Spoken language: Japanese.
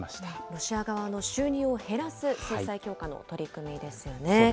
ロシア側の収入を減らす制裁強化の取り組みですね。